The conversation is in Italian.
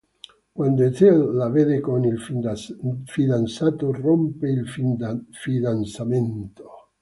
Quando Ethel la vede con il fidanzato, rompe il fidanzamento.